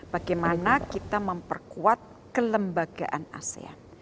bagaimana kita memperkuat kelembagaan asean